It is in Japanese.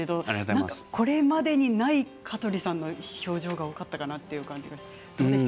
これまでにない香取さんの表情が多かったかなという感じがしました。